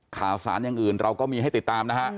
ข่าวสารอย่างอื่นเราก็มีให้ติดตามนะฮะ